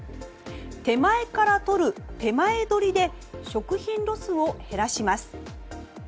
手前から取る、てまえどりで食品ロスを減らします。